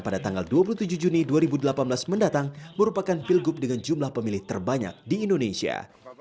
pada tanggal dua puluh tujuh juni dua ribu delapan belas mendatang merupakan pilgub dengan jumlah pemilih terbanyak di indonesia